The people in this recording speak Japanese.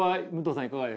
いかがですか？